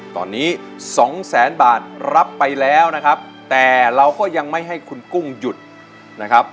ตอนนี้สองแสนบาทรับไปแล้วนะครับแต่เราก็ยังไม่ให้คุณกุ้งหยุดนะครับ